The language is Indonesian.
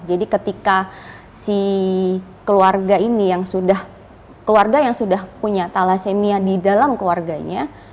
jadi ketika si keluarga ini yang sudah keluarga yang sudah punya thalassemia di dalam keluarganya